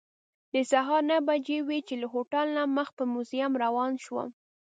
د سهار نهه بجې وې چې له هوټل نه مخ په موزیم روان شوم.